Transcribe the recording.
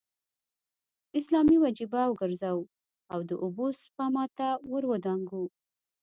اسلامي وجیبه وګرځو او د اوبو سپما ته ور ودانګو.